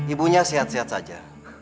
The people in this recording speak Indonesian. ibunya sehat sehat saja